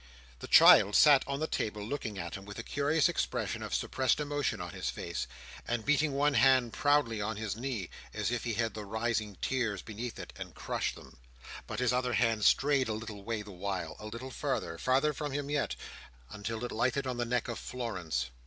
The child sat on the table looking at him, with a curious expression of suppressed emotion in his face, and beating one hand proudly on his knee as if he had the rising tears beneath it, and crushed them. But his other hand strayed a little way the while, a little farther—farther from him yet—until it lighted on the neck of Florence.